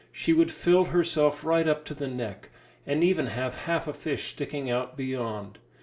She would fill herself right up to the neck, and even have half a fish sticking out beyond.